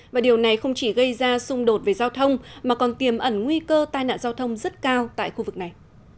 và điều này không chỉ gây ra xung đột về giao thông mà còn tiềm ẩn nguy cơ tai nạn giao thông rất cao tại khu vực này